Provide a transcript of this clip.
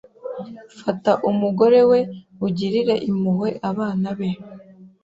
Fata umugore we ugirire impuhwe abana be